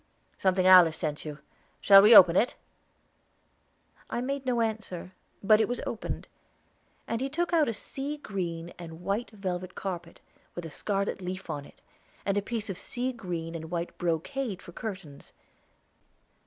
"Something Alice sent you; shall we open it?" "I made no answer; but it was opened, and he took out a sea green and white velvet carpet, with a scarlet leaf on it, and a piece of sea green and white brocade for curtains.